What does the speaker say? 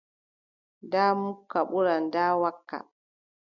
Ndaa mukka ɓuran ndaa wakka.